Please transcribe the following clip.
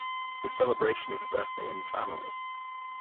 The celebration of a birthday in the family.